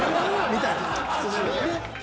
「みたいな」。